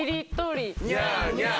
ニャーニャー。